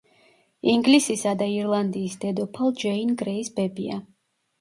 ინგლისისა და ირლანდიის დედოფალ ჯეინ გრეის ბებია.